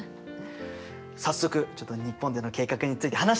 早速ちょっと日本での計画について話してくるよ。